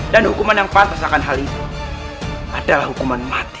dan hukuman yang pantas akan hal itu adalah hukuman mati